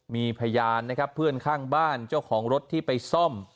มีพยานนะครับเพื่อนข้างบ้านเจ้าของรถที่ไปซ่อม